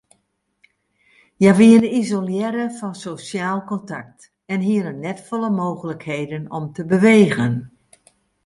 Hja wiene isolearre fan sosjaal kontakt en hiene net folle mooglikheden om te bewegen.